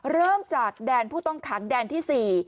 เริ่มจากแดนผู้ต้องขังแดนที่๔